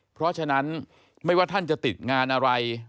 เพราะฉะนั้นไม่ว่าท่านจะติดงานอะไร